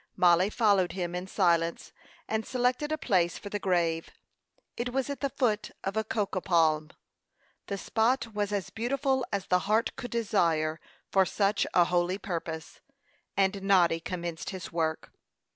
Mollie followed him in silence, and selected a place for the grave. It was at the foot of a cocoa palm. The spot was as beautiful as the heart could desire for such a holy purpose; and Noddy commenced his work.